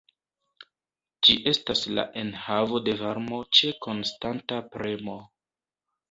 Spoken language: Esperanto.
Ĝi estas la enhavo de varmo ĉe konstanta premo.